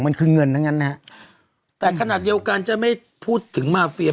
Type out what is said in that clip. มันคือเงินทั้งนั้นนะฮะแต่ขณะเดียวกันจะไม่พูดถึงมาเฟีย